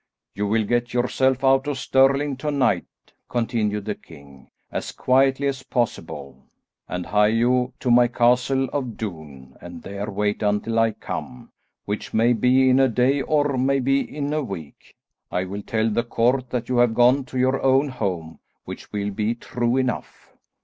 "You will get yourself out of Stirling to night," continued the king, "as quietly as possible, and hie you to my Castle of Doune, and there wait until I come, which may be in a day, or may be in a week. I will tell the court that you have gone to your own home, which will be true enough.